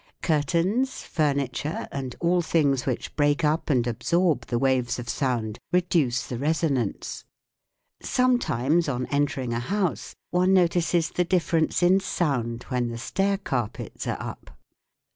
Curtains, furniture, and all things which break up and absorb the waves of sound reduce the resonance. Sometimes on entering a house one notices the 67 68 THE WORLD OF SOUND difference in the sound when the stair carpets are up.